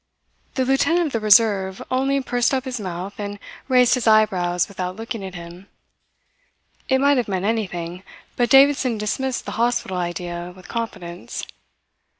The Lieutenant of the Reserve only pursed up his mouth and raised his eyebrows without looking at him. It might have meant anything, but Davidson dismissed the hospital idea with confidence.